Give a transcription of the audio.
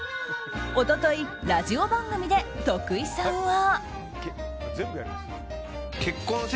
一昨日ラジオ番組で徳井さんは。